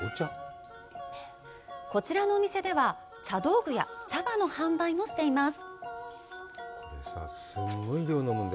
こちらのお店では、茶道具や茶葉の販売もしています。